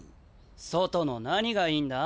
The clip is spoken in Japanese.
外の何がいいんだ？